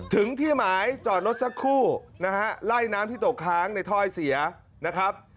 ถึงที่หมายจอดรถสักครู่นะฮะไล่น้ำที่ตกค้างในถ้อยเสียนะครับ